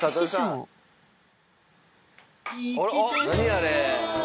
あれ。